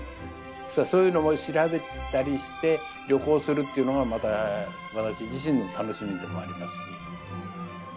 実はそういうのも調べたりして旅行するっていうのがまた私自身の楽しみでもありますし。